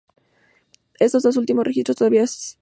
Estos dos últimos registros todavía siguen vigentes.